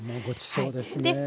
ごちそうですね。